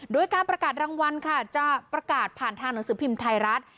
โดยการประกาศรางวัลค่ะจะประกาศผ่านทางหนังสือพิมพ์ไทยรัฐ